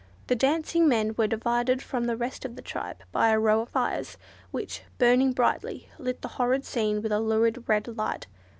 The dancing men were divided from the rest of the tribe by a row of fires, which, burning brightly, lit the horrid scene with a lurid red light.